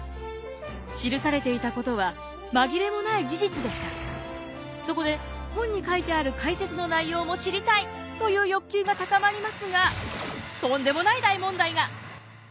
記されていたことはそこで本に書いてある解説の内容も知りたいという欲求が高まりますがとんでもない大問題が！